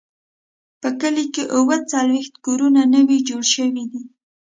په کلي کې اووه څلوېښت کورونه نوي جوړ شوي دي.